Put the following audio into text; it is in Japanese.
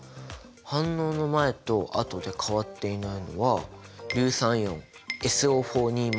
反応の前と後で変わっていないのは硫酸イオンＳＯ。